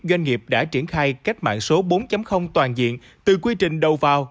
doanh nghiệp đã triển khai cách mạng số bốn toàn diện từ quy trình đầu vào